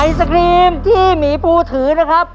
ไอศครีมที่หมีปูถือนะครับ